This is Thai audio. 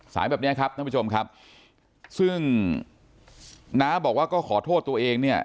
แบบเนี้ยครับท่านผู้ชมครับซึ่งน้าบอกว่าก็ขอโทษตัวเองเนี่ย